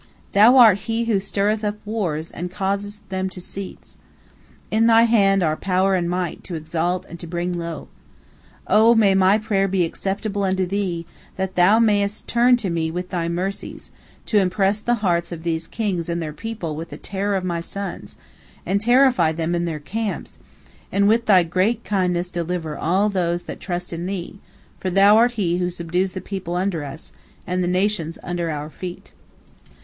Thou art He who stirreth up wars and causeth them to cease. In Thy hand are power and might to exalt and to bring low. O may my prayer be acceptable unto Thee, that Thou mayest turn to me with Thy mercies, to impress the hearts of these kings and their people with the terror of my sons, and terrify them and their camps, and with Thy great kindness deliver all those that trust in Thee, for Thou art He who subdues the peoples under us, and the nations under our feet."